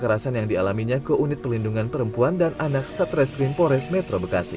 kekerasan yang dialaminya ke unit pelindungan perempuan dan anak satreskrim pores metro bekasi